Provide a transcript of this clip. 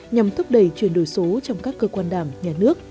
nhằm thúc đẩy chuyển đổi số trong các cơ quan đảng nhà nước